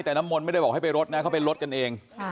แต่น้ำมนต์ไม่ได้บอกให้ไปรถนะเขาไปลดกันเอง